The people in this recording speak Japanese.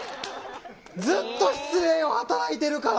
ずっと失礼をはたらいてるから！